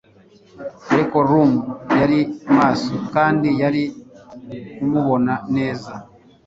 ariko rum yari maso kandi yari kumubona neza